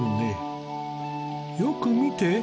よく見て。